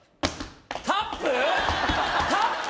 タップ？